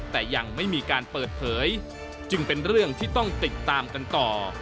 แต่ยังไม่มีการเปิดเผยจึงเป็นเรื่องที่ต้องติดตามกันต่อ